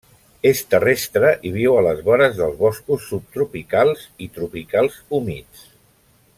És terrestre i viu a les vores dels boscos subtropicals i tropicals humits.